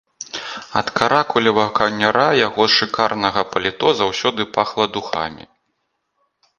Ад каракулевага каўняра яго шыкарнага паліто заўсёды пахла духамі.